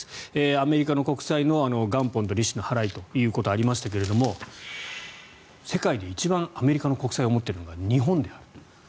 アメリカの国債の元本と利子の払いということがありましたが世界で一番アメリカの国債を持っているのが日本であると。